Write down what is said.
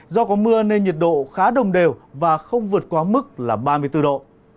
do có mưa nên nhiệt độ khá đồng đều và không vượt quá mức là ba mươi bốn độ